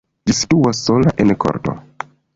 Ĝi situas sola en korto.